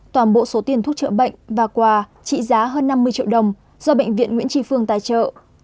toàn bộ số tiền thuốc trợ bệnh và quà trị giá hơn năm mươi triệu đồng do bệnh viện nguyễn tri phương tài trợ